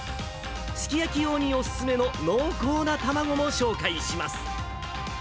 すき焼き用にお勧めの濃厚な卵も紹介します。